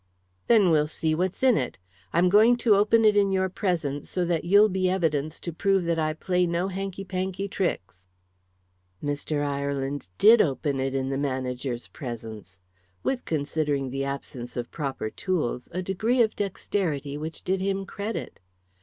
"Then we'll see what's in it. I'm going to open it in your presence, so that you'll be evidence to prove that I play no hankey pankey tricks." Mr. Ireland did open it in the manager's presence. With, considering the absence of proper tools, a degree of dexterity which did him credit.